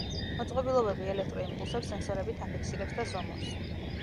მოწყობილობები ელექტრო იმპულსებს სენსორებით აფიქსირებს და ზომავს.